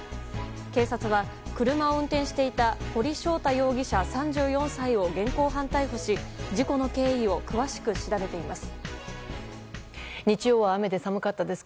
警察は車を運転していた堀翔太容疑者、３４歳を現行犯逮捕し、事故の経緯を詳しく調べています。